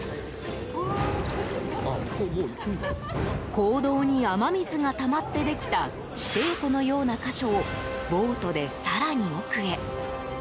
坑道に雨水がたまってできた地底湖のような箇所をボートで更に奥へ。